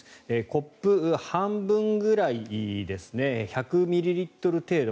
コップ半分ぐらいですね１００ミリリットル程度。